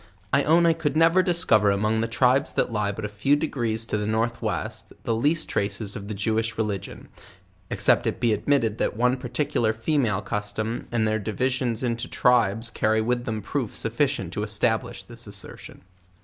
I own I could never discover among the tribes that lie but a few degrees to the north west, the least traces of the Jewish religion, ex cept it be admitted that one particular female custom, and their divisions into tribes carry with them proof sufficient to establish this assertion.